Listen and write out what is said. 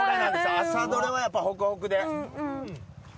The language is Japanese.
朝採れは、やっぱりホクホクで。